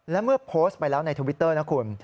และเมื่อโพสต์ไปแล้วในทวิตเตอร์นะคุณ